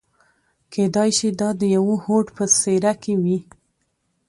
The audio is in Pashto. کېدای شي دا د يوه هوډ په څېره کې وي.